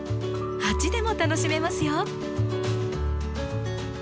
鉢でも楽しめますよ。